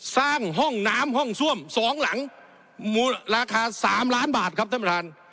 ห้องน้ำห้องซ่วม๒หลังมูลค่า๓ล้านบาทครับท่านประธาน